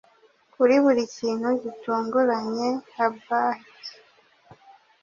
Kuri buri kintu gitunguranye abaht